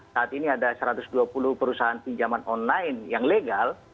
saat ini ada satu ratus dua puluh perusahaan pinjaman online yang legal